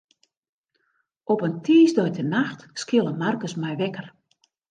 Op in tiisdeitenacht skille Markus my wekker.